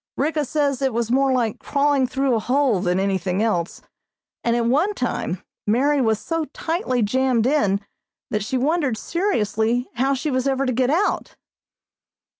Ricka says it was more like crawling through a hole than anything else, and at one time Mary was so tightly jammed in that she wondered seriously how she was ever to get out.